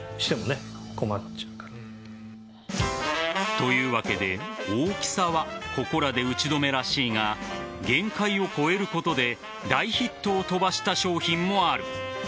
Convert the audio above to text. というわけで、大きさはここらで打ち止めらしいが限界を超えることで大ヒットを飛ばした商品もある。